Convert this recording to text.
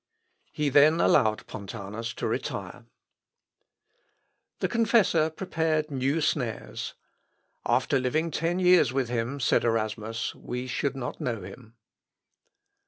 He then allowed Pontanus to retire. [Sidenote: PONTANUS AND GLAPIO.] The confessor prepared new snares. "After living ten years with him," said Erasmus, "we should not know him."